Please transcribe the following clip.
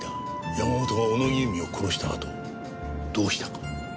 山本が小野木由美を殺したあとどうしたか？